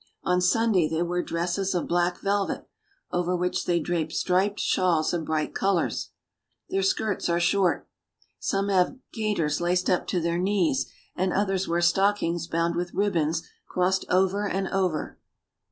On Sunday they wear dresses of black velvet, over which they drape striped shawls of bright colors. Their skirts are short. Some have gaiters laced up to their knees, and others wear stockings bound with ribbons crossed over and over.